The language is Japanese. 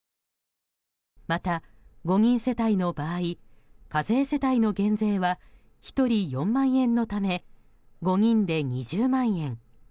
また、５人世帯の場合課税世帯の減税は１人４万円のため５人で２０万円。